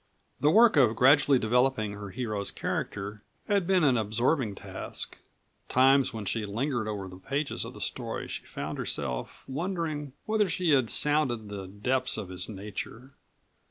The work of gradually developing her hero's character had been an absorbing task; times when she lingered over the pages of the story she found herself wondering whether she had sounded the depths of his nature.